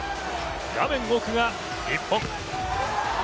画面奥が日本。